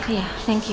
iya terima kasih